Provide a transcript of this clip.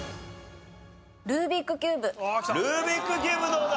ルービックキューブどうだ？